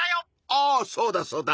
あそうだそうだ